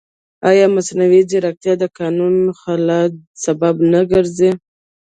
ایا مصنوعي ځیرکتیا د قانوني خلا سبب نه ګرځي؟